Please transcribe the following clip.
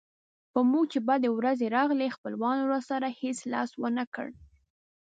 په موږ چې بدې ورځې راغلې خپلوانو راسره هېڅ لاس ونه کړ.